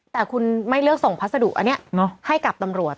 แต่คุณไม่เลือกส่งพัสดุอันนี้ให้กับตำรวจ